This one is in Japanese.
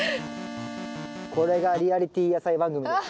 これがリアリティー野菜番組です。